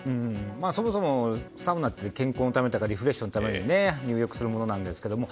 そもそもサウナって健康のためとかリフレッシュのために入浴するものなんですけれども。